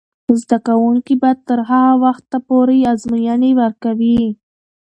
زده کوونکې به تر هغه وخته پورې ازموینې ورکوي.